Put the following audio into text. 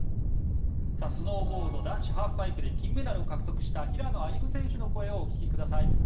スノーボード男子ハーフパイプで金メダルを獲得した平野歩夢選手の声をお聞きください。